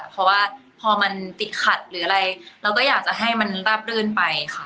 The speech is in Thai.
เพราะว่าพอมันติดขัดหรืออะไรเราก็อยากจะให้มันราบรื่นไปค่ะ